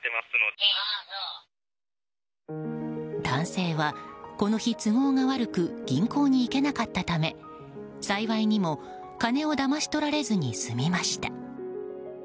男性はこの日、都合が悪く銀行に行けなかったため幸いにも金をだまし取られずに済みました。